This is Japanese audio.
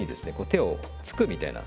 手をつくみたいな。